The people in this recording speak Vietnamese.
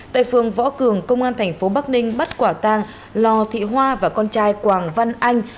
tại phường võ cường công an tp bắc ninh bắt quả tàng lò thị hoa và con trai quảng văn anh